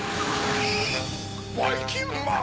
ばいきんまん！